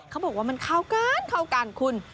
เขาบอกว่ามันเข้ากันคุณ